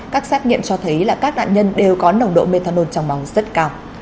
các xét nghiệm cho thấy các nạn nhân đều có nồng độ methanol trong bóng rất cao